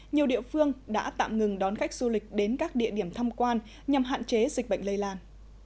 nhiều địa phương đã tạm ngừng đón khách du lịch đến các địa điểm thăm quan nhằm hạn chế dịch bệnh lây lan